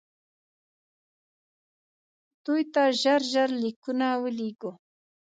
دوی ته ژر ژر لیکونه ولېږو.